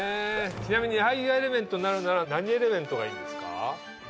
ちなみに矢作がエレメントになるなら何エレメントがいいんですか？